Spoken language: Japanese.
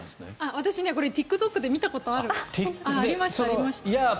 私、これＴｉｋＴｏｋで見たことある。